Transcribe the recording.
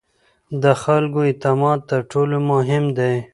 د خلکو اعتماد تر ټولو مهم دی